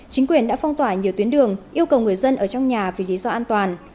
chính quyền đã phong tỏa nhiều tuyến đường yêu cầu người dân ở trong nhà vì lý do an toàn